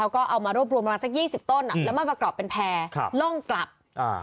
ก็เอามารวบรวมประมาณสักยี่สิบต้นอ่ะแล้วมาประกอบเป็นแพร่ครับล่องกลับอ่า